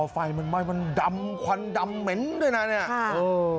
ไฟมันไหม้มันดำควันดำเหม็นด้วยนะเนี่ย